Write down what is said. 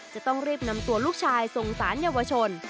จะต้องรีบนำตัวลูกชายส่งสารเยาวชน